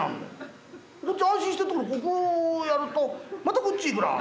安心してるところをこうやるとまたこっち行くなあ。